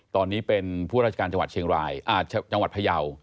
ตอนนี้เป็นผู้รัชกาลจังหวัดเผยา